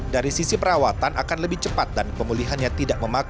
dari sisi perawatan akan lebih cepat dan pemulihannya tidak akan terlalu jauh